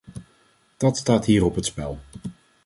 Dat staat hier op het spel.